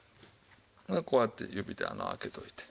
こうやって指で穴を開けておいて。